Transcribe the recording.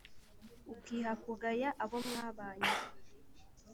ukiha kugaya abo mwabanye